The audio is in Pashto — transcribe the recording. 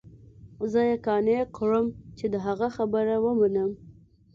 زه يې قانع کړم چې د هغه خبره ومنم.